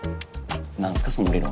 何すかその理論。